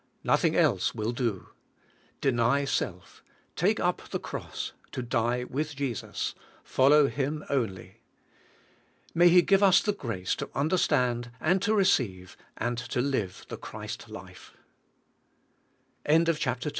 Nothing else will do. Deny self; take up the cross, to die with Jesus; follow Him onl}'. May He give us the grace to understand, and to receive, and to live the Christ li